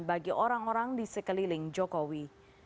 bagi orang orang di sekeliling jokowi